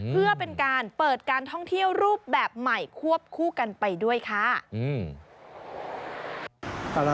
เพื่อเป็นการเปิดการท่องเที่ยวรูปแบบใหม่ควบคู่กันไปด้วยค่ะ